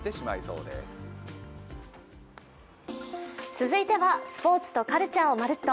続いてはスポーツとカルチャーをまるっと！